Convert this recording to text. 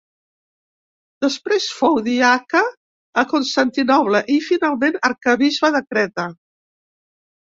Després fou diaca a Constantinoble, i finalment arquebisbe de Creta.